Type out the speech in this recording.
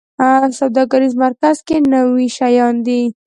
سوداګریز مرکز کې نوي شیان دي